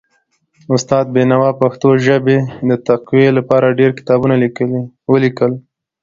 استاد بینوا د پښتو ژبې د تقويي لپاره ډېر کتابونه ولیکل.